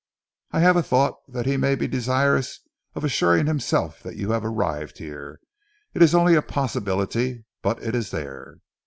"I have a thought that he may be desirous of assuring himself that you have arrived here. It is only a possibility, but it is there."